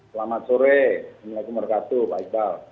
selamat sore selamat pagi pak iqbal